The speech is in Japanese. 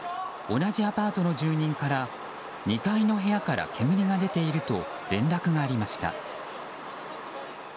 同じアパートの住人から２階の部屋から煙が出ていると連絡がありました。